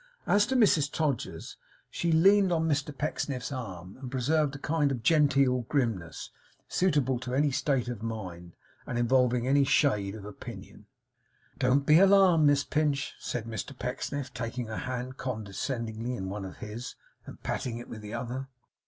As to Mrs Todgers, she leaned on Mr Pecksniff's arm and preserved a kind of genteel grimness, suitable to any state of mind, and involving any shade of opinion. 'Don't be alarmed, Miss Pinch,' said Mr Pecksniff, taking her hand condescendingly in one of his, and patting it with the other.